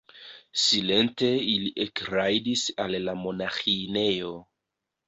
Silente ili ekrajdis al la monaĥinejo.